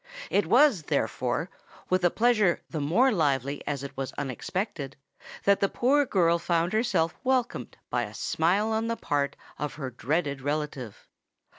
It was, therefore, with a pleasure the more lively as it was unexpected, that the poor girl found herself welcomed by a smile on the part of her dreaded relative.